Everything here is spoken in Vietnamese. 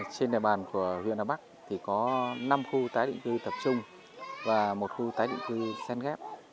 trên đề bàn của huyện đà bắc thì có năm khu tái định cư tập trung và một khu tái định cư xen ghép